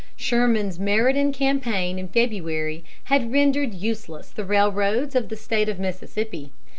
Sherman's Meridian campaign in February had rendered useless the railroads of the State of Mississippi.